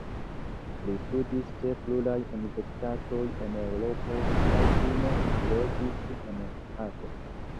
Li studis ĉe pluraj universitatoj en Eŭropo kaj fine ekloĝis en Hago.